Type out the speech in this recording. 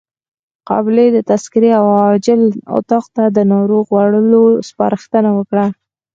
قابلې د تذکرې او عاجل اتاق ته د ناروغ وړلو سپارښتنه وکړه.